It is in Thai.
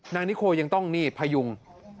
นิโคยังต้องนี่พยุง